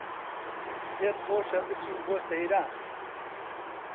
پێتخۆشە بچین بۆ سەیران